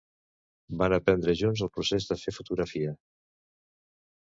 Van aprendre junts el procés de fer fotografia.